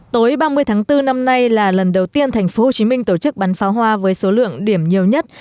tối ba mươi tháng bốn năm nay là lần đầu tiên tp hcm tổ chức bắn pháo hoa với số lượng điểm nhiều nhất